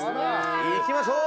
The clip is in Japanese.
行きましょう。